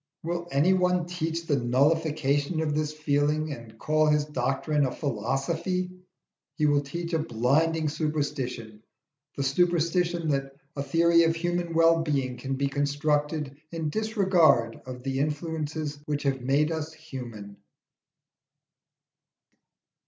Will any one teach the nullification of this feeling and call his doctrine a philosophy? He will teach a blinding superstition the superstition that a theory of human wellbeing can be constructed in disregard of the influences which have made us human.